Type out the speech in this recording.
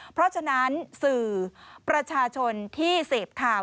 เพราะฉะนั้นสื่อประชาชนที่เสพข่าว